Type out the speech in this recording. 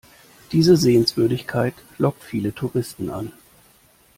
Diese Sehenswürdigkeit lockt viele Touristen an.